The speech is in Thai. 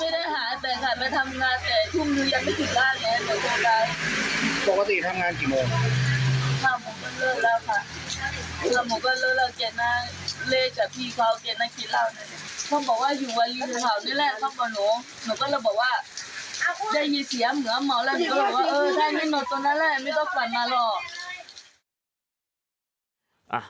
นั่นแหละไม่ต้องขับนัดมารอ